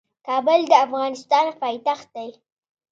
کابل د افغانستان پايتخت دی.